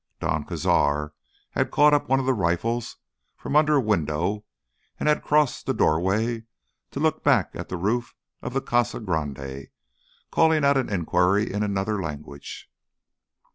Don Cazar had caught up one of the rifles from under a window and had crossed the doorway to look back at the roof of the Casa Grande, calling out an inquiry in another language.